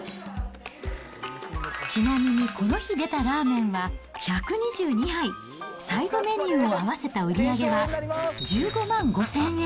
ちなみに、この日出たラーメンは１２２杯、サイドメニューを合わせた売り上げは１５万５０００円。